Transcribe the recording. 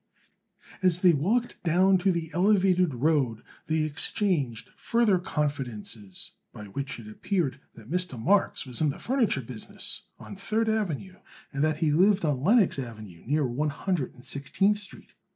As they walked down to the elevated road they exchanged further confidences, by which it appeared that Mr. Marks was in the furniture business on Third Avenue, and that he lived on Lenox Avenue near One Hundred and Sixteenth Street.